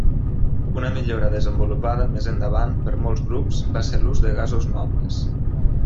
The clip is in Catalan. Una millora desenvolupada més endavant per molts grups, va ser l'ús de gasos nobles.